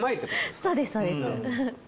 そうですそうです。